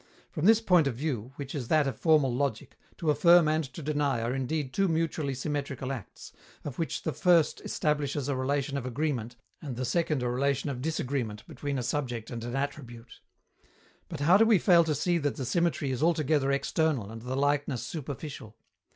From this point of view, which is that of formal logic, to affirm and to deny are indeed two mutually symmetrical acts, of which the first establishes a relation of agreement and the second a relation of disagreement between a subject and an attribute. But how do we fail to see that the symmetry is altogether external and the likeness superficial?